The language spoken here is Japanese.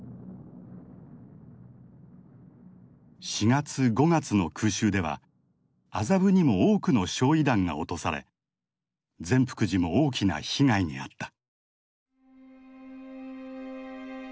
４月５月の空襲では麻布にも多くの焼夷弾が落とされ善福寺も大きな被害に遭った。